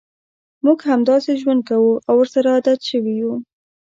موږ همداسې ژوند کوو او ورسره عادت شوي یوو.